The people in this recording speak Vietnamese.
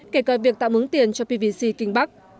kể cả việc tạo mướng tiền cho pvc kinh bắc